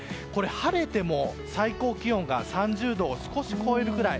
晴れても最高気温が３０度を少し超えるくらい。